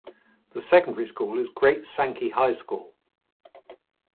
The secondary school is Great Sankey High School.